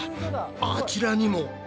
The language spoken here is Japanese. あちらにも！